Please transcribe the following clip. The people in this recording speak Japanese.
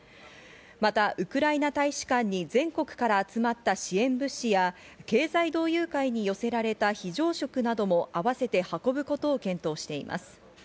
またウクライナ大使館に全国から集まった支援物資や経済同友会に寄せられた非常食なども、あわせて運ぶことを検討しています。